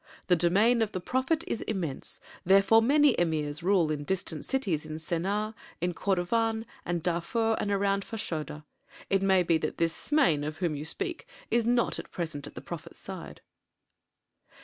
The domain of the prophet is immense; therefore many emirs rule in distant cities in Sennâr, in Kordofân, and Darfur, and around Fashoda. It may be that this Smain, of whom you speak, is not at present at the prophet's side."